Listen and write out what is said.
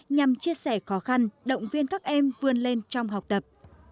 nhằm chia sẻ khó khăn động viên các em vươn lên trong học tập